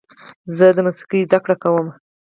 زه د موسیقۍ زده کړه کوم.